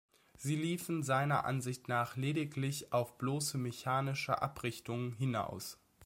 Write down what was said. Sie liefen seiner Ansicht nach lediglich auf bloße mechanische Abrichtung hinaus.